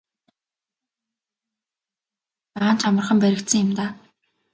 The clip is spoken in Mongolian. Эзэн хааны цэргийн нэг тушаалтан гэхэд даанч амархан баригдсан юм даа.